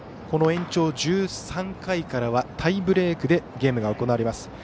延長１３回からはタイブレークでゲームが行われます。